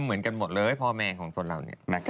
เหมือนกันหมดเลยพ่อแม่ของตนเรา